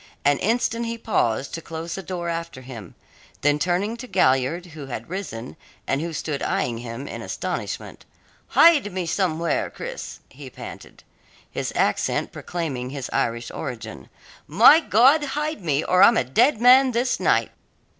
An instant he paused to close the door after him, then turning to Galliard, who had risen and who stood eyeing him in astonishment "Hide me somewhere, Cris," he panted his accent proclaiming his Irish origin. "My God, hide me, or I'm a dead man this night!"